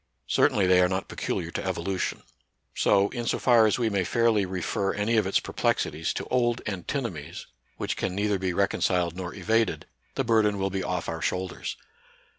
Certainly they are not peculiar to evolution. So, in so far as we may fairly refer any of its perplexities to old antinomies, which NATURAL SCIENCE AND RELIGION. 67 can neither be reconciled nor evaded, the bur den will be off our shoulders.